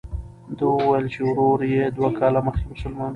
ده وویل چې ورور یې دوه کاله مخکې مسلمان شو.